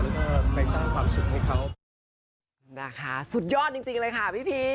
แล้วก็ไปสร้างความสุขให้เขา